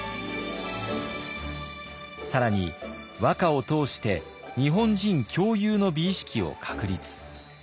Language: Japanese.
更に和歌を通して日本人共有の美意識を確立。